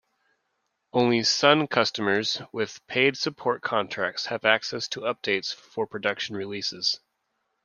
Only Sun customers with paid support contracts have access to updates for production releases.